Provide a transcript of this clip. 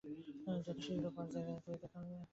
যত শীঘ্র পার জায়গা দেখ।